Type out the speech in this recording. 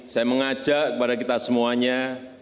saya mengajak kepada kita semuanya